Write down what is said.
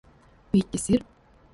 Piķis ir?